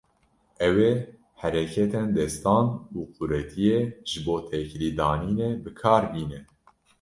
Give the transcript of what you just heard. Ew ê hereketên destan û quretiyê ji bo têkilîdanînê bi kar bîne.